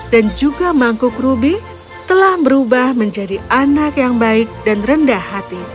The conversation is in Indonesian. dan juga mangkuk rubik telah berubah menjadi anak yang baik dan rendah hati